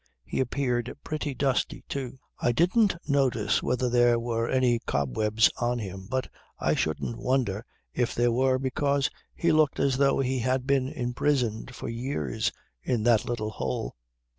He appeared pretty dusty too. "I didn't notice whether there were any cobwebs on him, but I shouldn't wonder if there were because he looked as though he had been imprisoned for years in that little hole.